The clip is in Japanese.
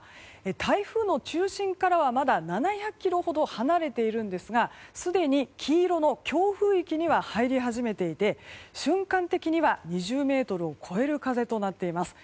台風の中心からはまだ７００ｋｍほど離れているんですがすでに黄色の強風域に入り始めていて瞬間的には２０メートルを超える風となっています。